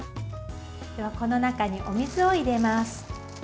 では、この中にお水を入れます。